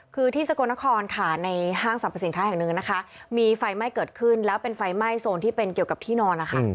คือที่สกลนครค่ะในห้างสรรพสินค้าแห่งหนึ่งนะคะมีไฟไหม้เกิดขึ้นแล้วเป็นไฟไหม้โซนที่เป็นเกี่ยวกับที่นอนนะคะ